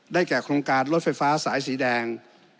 แก่โครงการรถไฟฟ้าสายสีแดง